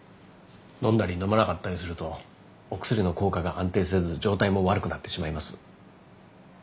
飲んだり飲まなかったりするとお薬の効果が安定せず状態も悪くなってしまいます。